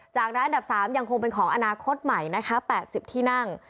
จากนั้นอันดับ๓ยังคงเป็นของอนาคตใหม่๘๐ที่นั่ง